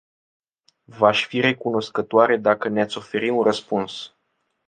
V-aș fi recunoscătoare dacă ne-ați oferi un răspuns.